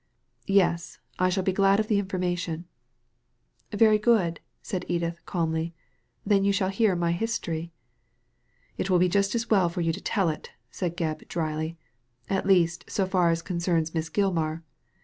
''Yes, I shall be glad of the information." " Very good," said Edith, calmly ;'' then you shall hear my history." "It will be just as well for you to tell it,^' said Gebb, dryly ;at least, so far as concerns Miss Gilmar.